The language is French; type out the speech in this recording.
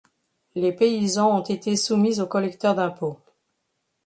Les paysans ont été soumis aux collecteurs d'impôts.